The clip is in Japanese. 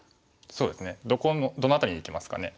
そうですねどの辺りにいきますかね。